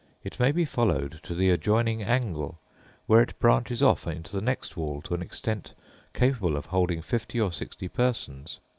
It may be followed to the adjoining angle, where it branches off into the next wall to an extent capable of holding fifty or sixty persons.